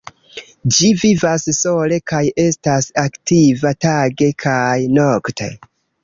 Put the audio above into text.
Ĝi vivas sole kaj estas aktiva tage kaj nokte.